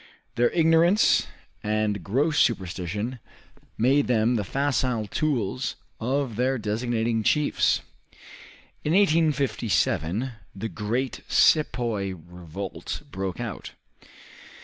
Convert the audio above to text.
Their ignorance and gross superstition made them the facile tools of their designing chiefs. In 1857 the great sepoy revolt broke out.